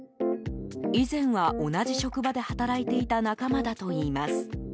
以前は同じ職場で働いていた仲間だといいます。